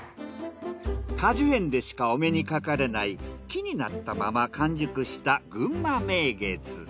果樹園でしかお目にかかれない木になったまま完熟したぐんま名月。